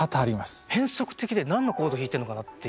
変則的で何のコード弾いてるのかなっていう。